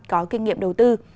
có kinh nghiệm đầu tư